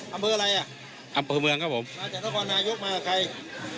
อำเภออะไรอ่ะอำเภอเมืองครับผมมาจากนครนายกมากับใคร